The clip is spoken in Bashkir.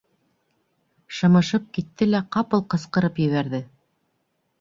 Шымышып китте лә ҡапыл ҡысҡырып ебәрҙе: